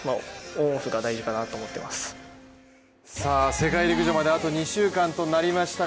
世界陸上まであと２週間となりましたが